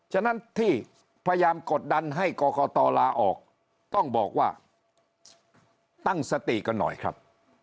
ฉะนั้นที่พยายามกดดันให้กรกตลาออกต้องบอกว่าตั้งสติกันหน่อยครับ